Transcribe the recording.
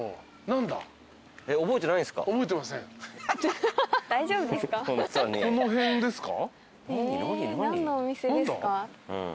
何ですか？